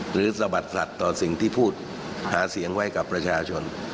สะบัดสัตว์ต่อสิ่งที่พูดหาเสียงไว้กับประชาชน